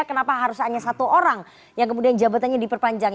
kenapa harus hanya satu orang yang kemudian jabatannya diperpanjang